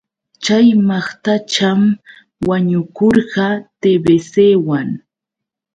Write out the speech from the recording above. Chay maqtacham wañukurqa TBCwan.